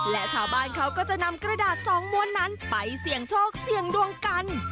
และชาวบ้านเขาก็จะนำกระดาษสองม้วนนั้นไปเสี่ยงโชคเสี่ยงดวงกัน